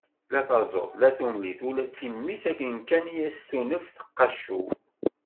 La taẓult, la tumlilt, ula d timmi-s akken kan i as-tunef teqqaccew.